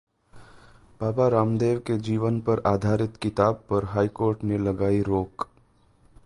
बाबा रामदेव के जीवन पर आधारित किताब पर हाइकोर्ट ने लगाई रोक